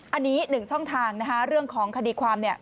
อันนี้หนึ่งช่องทางนะคะเรื่องของคดีความเนี่ย